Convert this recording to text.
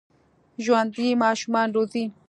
ژوندي ماشومان روزي